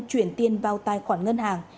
chuyển tiền vào tài khoản ngân hàng